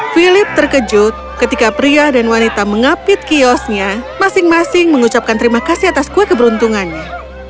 philip terkejut ketika pria dan wanita mengapit kiosnya masing masing mengucapkan terima kasih atas kue keberuntungannya